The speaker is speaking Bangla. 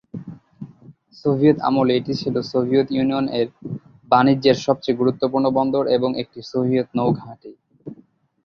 সোভিয়েত আমলে এটি ছিল সোভিয়েত ইউনিয়ন-এর বাণিজ্যের সবচেয়ে গুরুত্বপূর্ণ বন্দর এবং একটি সোভিয়েত নৌ ঘাঁটি।